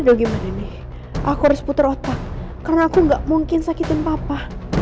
loh gimana nih aku harus putar otak karena aku gak mungkin sakitin papa